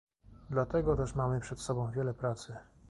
Dlatego też mamy przed sobą wiele pracy